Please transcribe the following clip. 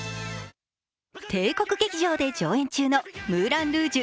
帝国劇場で上演中の「ムーラン・ルージュ！